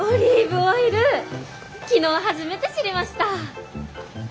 昨日初めて知りました！